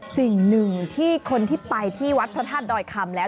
สิ่งหนึ่งที่คนที่ไปที่วัดพระธาตุดอยคำแล้ว